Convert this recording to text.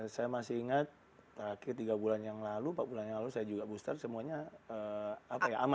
saya masih ingat terakhir tiga bulan yang lalu empat bulan yang lalu saya juga booster semuanya aman